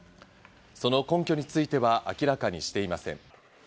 その根拠については明らかにしていません。